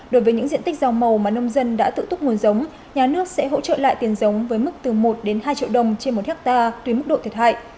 đối với những diện tích rau màu mà nông dân đã tự túc nguồn giống nhà nước sẽ hỗ trợ lại tiền giống với mức từ một đến hai triệu đồng trên một hectare tùy mức độ thiệt hại